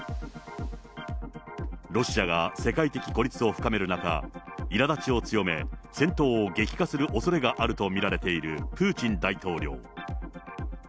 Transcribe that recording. ロシアが世界的孤立を深める中、いらだちを強め、戦闘を激化するおそれがあると見られているプーチン大統領。